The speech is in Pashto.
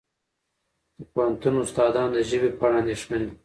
د پوهنتون استادان د ژبې په اړه اندېښمن دي.